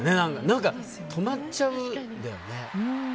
何か、止まっちゃうんだよね。